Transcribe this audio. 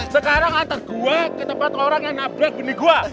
sekarang antar gue ke tempat orang yang nabrak beli gua